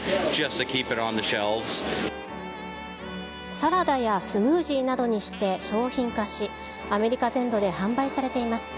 サラダやスムージーなどにして商品化し、アメリカ全土で販売されています。